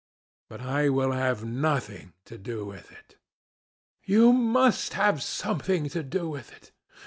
But I will have nothing to do with it." "You must have something to do with it.